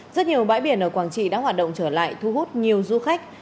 rất nhiều bãi biển ở quảng trị đã hoạt động trở lại thu hút nhiều du khách